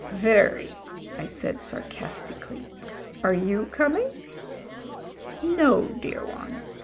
"Very," I said sarcastically. "Are you coming?" "No, dear one.